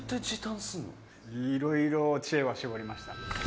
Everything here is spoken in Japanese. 「いろいろ知恵は絞りました」